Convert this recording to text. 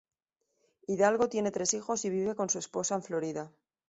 Hidalgo tiene tres hijos y vive con su esposa en Florida.